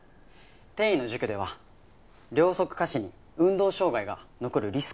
転移の除去では両側下肢に運動障害が残るリスクがあります。